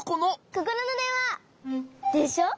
ココロのでんわ！でしょ？